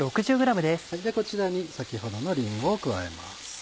こちらに先ほどのりんごを加えます。